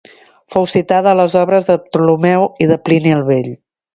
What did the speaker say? Fou citada a les obres de Ptolemeu i de Plini el Vell.